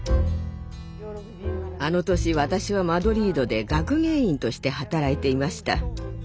あの年私はマドリードで学芸員として働いていました。